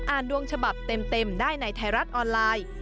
ดวงฉบับเต็มได้ในไทยรัฐออนไลน์